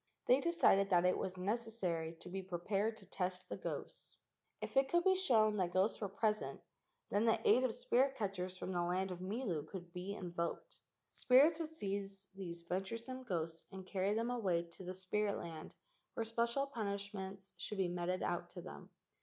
They decided that it was necessary to be pre¬ pared to test the ghosts. If it could be shown that ghosts were present, then the aid of " spirit catchers " from the land of Milu could be invoked. Spirits would seize these venturesome ghosts and carry them away to the spirit land, where special punishments should be meted out to them.